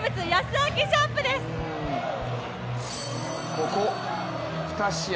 ここ２試合